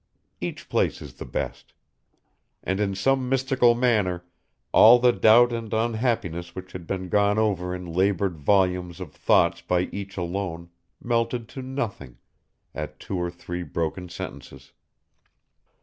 Each place is the best. And in some mystical manner all the doubt and unhappiness which had been gone over in labored volumes of thoughts by each alone, melted to nothing, at two or three broken sentences.